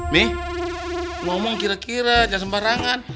nih ngomong kira kira jangan sembarangan